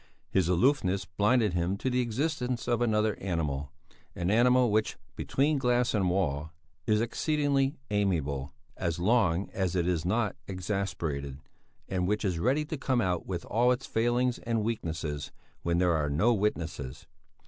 His aloofness blinded him to the existence of another animal, an animal which "between glass and wall" is exceedingly amiable, as long as it is not exasperated, and which is ready to come out with all its failings and weaknesses when there are no witnesses.